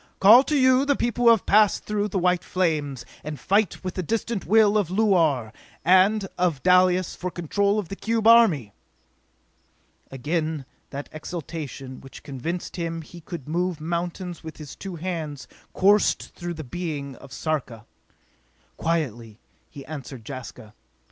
Call to you the people who have passed through the white flames, and fight with the distant will of Luar and of Dalis for control of the cube army!" Again that exaltation, which convinced him he could move mountains with his two hands, coursed through the being of Sarka. Quietly be answered Jaska.